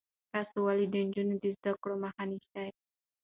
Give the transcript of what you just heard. تاسو ولې د نجونو د زده کړو مخه نیسئ؟